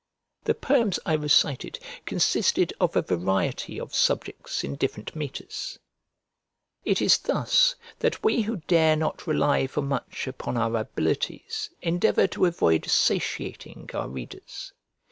The poems I recited consisted of a variety of subjects in different metres. It is thus that we who dare not rely for much upon our abilities endeavour to avoid satiating our readers.